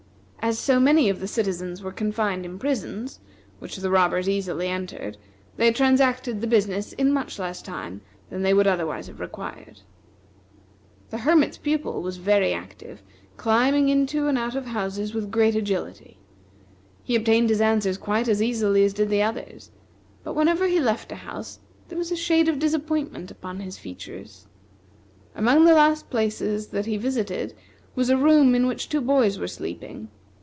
As so many of the citizens were confined in prisons, which the robbers easily entered, they transacted the business in much less time than they would otherwise have required. The Hermit's Pupil was very active, climbing into and out of houses with great agility. He obtained his answers quite as easily as did the others, but whenever he left a house there was a shade of disappointment upon his features. Among the last places that he visited was a room in which two boys were sleeping.